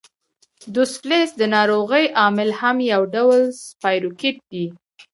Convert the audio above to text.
دوسفلیس د ناروغۍ عامل هم یو ډول سپایروکیټ دی.